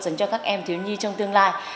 dành cho các em thiếu nhi trong tương lai